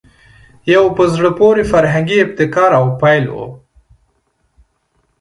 یو په زړه پورې فرهنګي ابتکار او پیل وو